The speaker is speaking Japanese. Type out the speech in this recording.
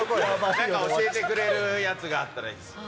何か教えてくれるやつがあったらいいですね。